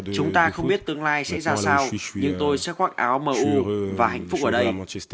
chúng ta không biết tương lai sẽ ra sao nhưng tôi sẽ khoác áo m u và hạnh phúc ở đây